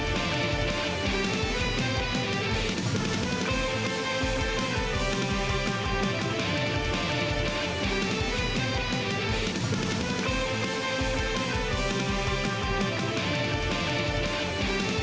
สวัสดีครับ